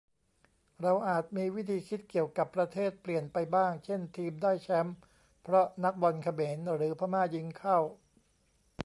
เราอาจมีวิธีคิดเกี่ยวกับประเทศเปลี่ยนไปบ้าง เช่นทีมได้แช้มป์เพราะนักบอลเขมรหรือพม่ายิงเข้า